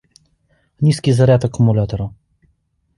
Низкий заряд аккумулятора